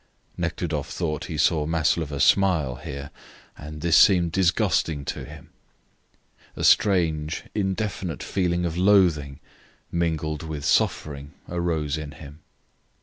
Nekhludoff thought he saw Maslova smile here, and this seemed disgusting to him. A strange, indefinite feeling of loathing, mingled with suffering, arose in him.